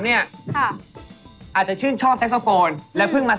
เอาล่ะครับถ้าพร้อมแล้วพบกับ